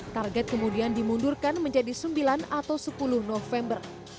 target kemudian dimundurkan menjadi sembilan atau sepuluh november